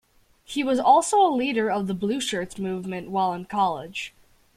He was also a leader of the Blueshirts movement while in college.